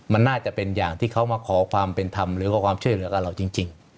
มันน่าจะเป็นอย่างที่เขามาขอความเป็นธรรมหรือขอความช่วยเหลือกับเราจริง